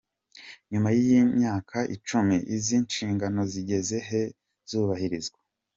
Nyuma y’ imyaka icumi, izi nshingano zigeze he zubahirizwa?.